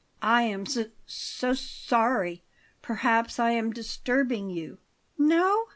"I am s so sorry. Perhaps I am disturbing you?" "No.